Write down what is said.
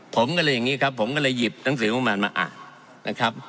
ผมก็เลยอย่างนี้ครับผมก็เลยหยิบหนังสืองบประมาณมาอ่านนะครับ